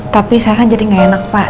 tapi saya kan jadi nggak enak pak